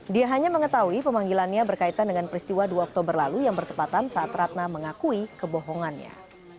dia hanya mengetahui pemanggilannya berkaitan dengan peristiwa dua oktober lalu yang bertepatan saat ratna mengakui kebohongannya